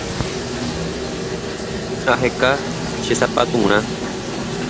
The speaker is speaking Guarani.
Aheka che sapaturã